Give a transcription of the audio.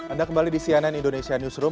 anda kembali di cnn indonesia newsroom